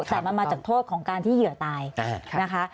แต่มันมาจากโทษของการที่เหยื่อตายนะคะ